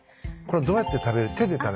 これどうやって食べる？